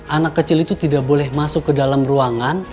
anak kecil itu tidak boleh masuk ke dalam ruangan